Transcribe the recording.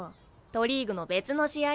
都リーグの別の試合。